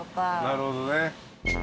なるほどね。